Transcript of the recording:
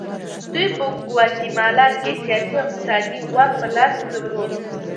دوی په ګواتیمالا کې سیاسي او اقتصادي واک په لاس کې درلود.